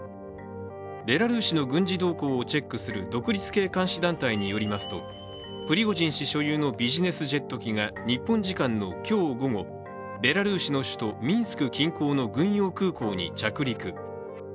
ベラルーシの軍事動向をチェックする独立系監視団体によりますとプリゴジン氏所有のビジネスジェット機が日本時間の今日午後ベラルーシの首都ミンスク近郊の軍用空港に着陸。